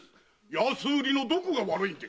安売りのどこが悪いんで？